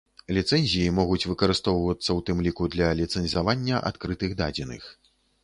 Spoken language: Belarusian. Ліцэнзіі могуць выкарыстоўвацца ў тым ліку для ліцэнзавання адкрытых дадзеных.